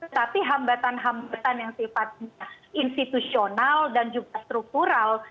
tapi hambatan hambatan yang sifatnya institusional dan juga struktural